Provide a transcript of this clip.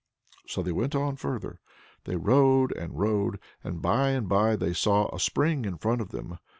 So they went on further. They rode and rode, and by and by they saw a spring in front of them.